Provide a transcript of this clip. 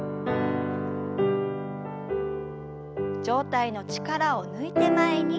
上体の力を抜いて前に。